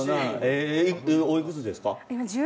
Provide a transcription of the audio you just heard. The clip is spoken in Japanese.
おいくつですか？